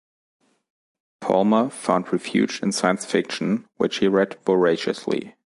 Palmer found refuge in science fiction, which he read voraciously.